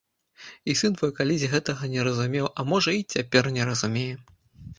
І сын твой калісь гэтага не разумеў, а можа, і цяпер не разумее.